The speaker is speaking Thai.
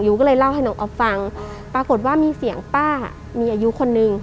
ก็เลยเล่าให้น้องอ๊อฟฟังปรากฏว่ามีเสียงป้ามีอายุคนนึง